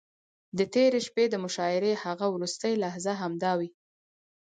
د تېرې شپې د مشاعرې هغه وروستۍ لحظې همداوې.